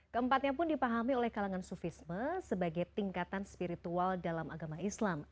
keempatnya pun dipahami oleh kalangan sufisme sebagai tingkatan spiritual dalam agama islam